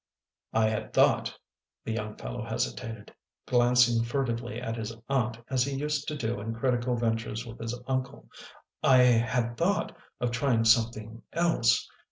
" I had thought," the young fellow hesitated, glancing furtively at his aunt as he used to do in critical ventures with his uncle, " I had thought of trying something else